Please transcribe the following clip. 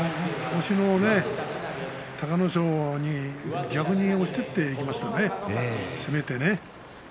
押しの隆の勝に逆に押していきましたね攻めてね。